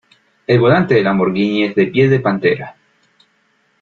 El volante del Lamborghini es de piel de pantera.